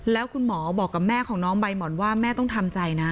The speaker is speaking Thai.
แล้วคุณหมอบอกกับแม่ของน้องใบหมอนว่าแม่ต้องทำใจนะ